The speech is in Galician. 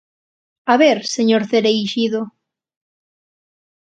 A ver, señor Cereixido.